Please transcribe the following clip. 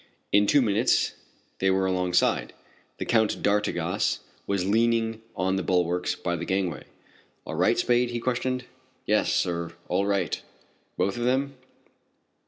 In two minutes they were alongside. The Count d'Artigas was leaning on the bulwarks by the gangway. "All right, Spade?" he questioned. "Yes, sir, all right!" "Both of them?"